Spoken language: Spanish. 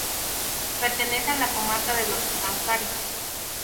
Pertenece a la comarca de Los Ancares.